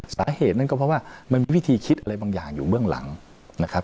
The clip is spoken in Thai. สาเหตุนั้นก็เพราะว่ามันมีวิธีคิดอะไรบางอย่างอยู่เบื้องหลังนะครับ